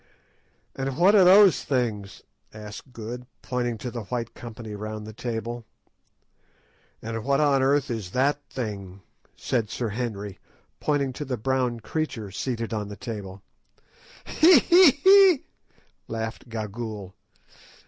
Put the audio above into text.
"And what are those things?" asked Good, pointing to the white company round the table. "And what on earth is that thing?" said Sir Henry, pointing to the brown creature seated on the table. "Hee! hee! hee!" laughed Gagool.